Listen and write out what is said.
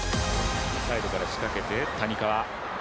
サイドから仕掛けて谷川。